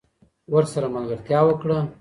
ورسره ملګرتیا وکړه